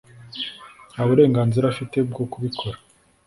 Nta burenganzira afite bwo kubikora